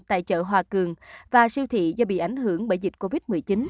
tại chợ hòa cường và siêu thị do bị ảnh hưởng bởi dịch covid một mươi chín